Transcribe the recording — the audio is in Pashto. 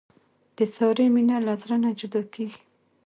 د سارې مینه له زړه نه جدا کېږي.